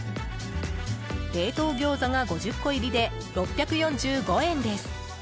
冷凍餃子が５０個入りで６４５円です。